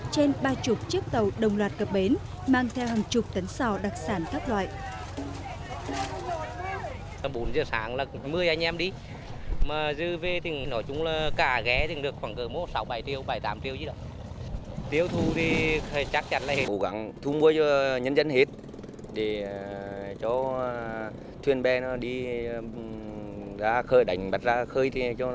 trên ba chục chiếc tàu đồng loạt cập bến mang theo hàng chục tấn sò đặc sản các loại